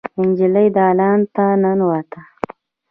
نجلۍ دالان ته ننوته.